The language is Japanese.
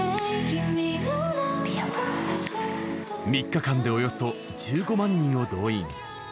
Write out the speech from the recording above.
３日間でおよそ１５万人を動員。